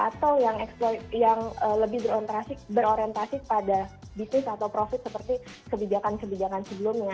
atau yang lebih berorientasi pada bisnis atau profit seperti kebijakan kebijakan sebelumnya